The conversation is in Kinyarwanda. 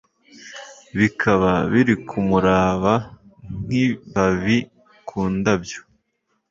Bikaba biri kumuraba nkibabi Ku ndabyo